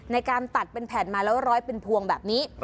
ในการตัดเป็นแผ่นมาแล้วร้อยเป็นพวงแบบนี้